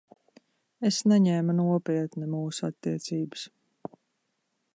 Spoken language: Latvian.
Es neņēmu nopietni mūsu attiecības.